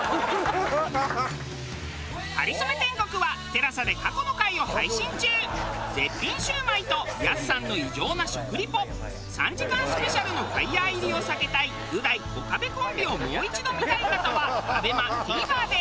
『かりそめ天国』は絶品シュウマイとやすさんの異常な食リポ３時間スペシャルのファイヤー入りを避けたいう大岡部コンビをもう一度見たい方はＡＢＥＭＡＴＶｅｒで。